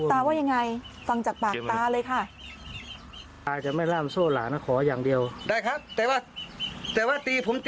ตาว่ายังไงฟังจากปากตาเลยค่ะ